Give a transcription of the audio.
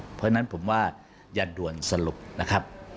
เพราะฉะนั้นผมว่าอย่าด่วนสรุปนะครับ